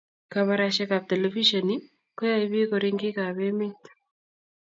Kabarashek ab televishen koyaipik koringik ab emet